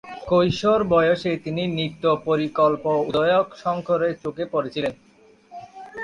কৈশোর বয়সে তিনি নৃত্য পরিকল্পক উদয় শঙ্করের চোখে পড়েছিলেন।